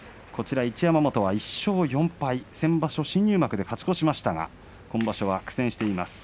一山本は１勝４敗先場所は新入幕で勝ち越しましたが今場所は苦戦しています。